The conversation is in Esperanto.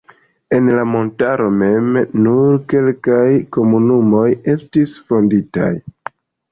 En la montaro mem nur kelkaj komunumoj estis fonditaj.